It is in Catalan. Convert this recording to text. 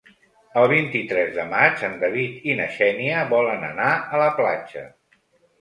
El vint-i-tres de maig en David i na Xènia volen anar a la platja.